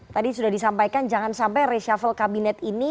tadi sudah disampaikan jangan sampai reshuffle kabinet ini